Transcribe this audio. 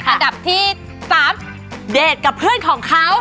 อันดับที่๓เดทกับเพื่อนของเขา